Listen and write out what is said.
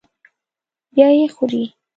بیا یې خوري.